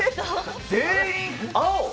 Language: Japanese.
全員、青？